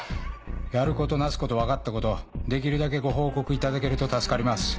やることなすこと分かったことできるだけご報告いただけると助かります。